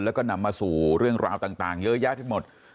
แล้วก็นำมาสู่เรื่องราวต่างเยอะแยะไปหมด